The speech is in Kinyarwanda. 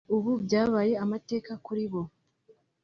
ubu byabaye amateka kuri bo